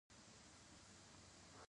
ازادي راډیو د اقلیم بدلونونه څارلي.